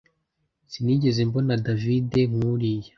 Sinigeze mbona David nkuriya